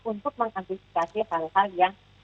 untuk mengantisipasi hal hal yang